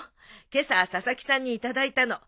今朝佐々木さんに頂いたの。